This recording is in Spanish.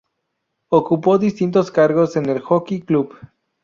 Ocupó distintos cargos en el Jockey Club.